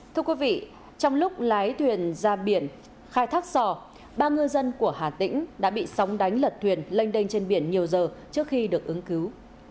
thưa quý vị trong lúc lái thuyền ra biển khai thác sò ba ngư dân của hà tĩnh đã bị sóng đánh lật thuyền lênh đênh trên biển nhiều giờ trước khi được ứng cứu